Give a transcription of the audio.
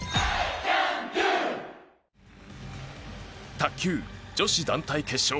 卓球女子団体決勝。